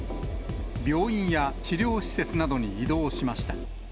病院や治療施設などに移動しました。